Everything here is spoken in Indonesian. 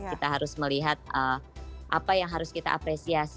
kita harus melihat apa yang harus kita apresiasi